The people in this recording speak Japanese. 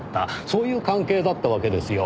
そういう関係だったわけですよ。